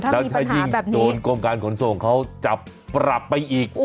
อย่างนี้โดนกรมการขนส่งเขาจับปรับไปอีก